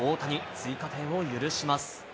追加点を許します。